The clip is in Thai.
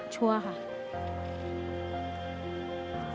ชัวร์ค่ะ